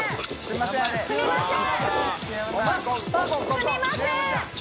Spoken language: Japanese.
すみません！